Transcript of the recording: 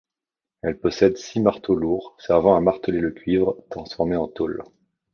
Elle possède six marteaux lourds, servant à marteler le cuivre, transformé en tôle.